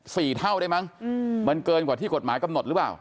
เท่าได้มั้งอืมมันเกินกว่าที่กฎหมายกำหนดหรือเปล่า